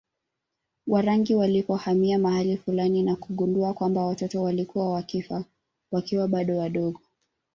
Warangi walipohamia mahali fulani na kugundua kwamba watoto walikuwa wakifa wakiwa bado wadogo